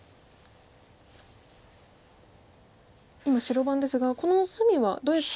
今白番ですがこの隅はどうやって。